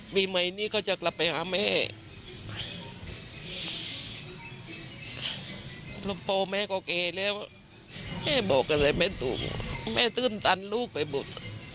มีอะไรให้บอกอะไรมันต้องเพิ่มตันลูกไปบุก